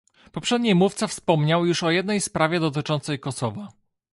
Poprzedni mówca wspomniał już o jednej sprawie dotyczącej Kosowa